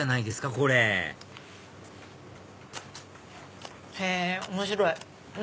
これへぇ面白い。